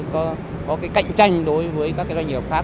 nó có cái cạnh tranh đối với các cái doanh nghiệp khác